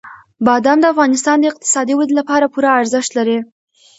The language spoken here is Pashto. بادام د افغانستان د اقتصادي ودې لپاره پوره ارزښت لري.